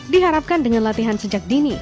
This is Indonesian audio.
diharapkan dengan latihan sejak dini